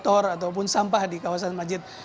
otor ataupun sampah di kawasan majid